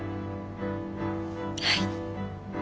はい。